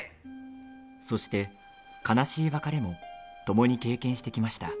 そして悲しい別れもともに経験してきました。